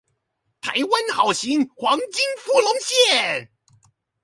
台灣好行黃金福隆線